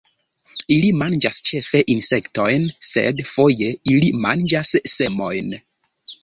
Ili manĝas ĉefe insektojn, sed foje ili manĝas semojn.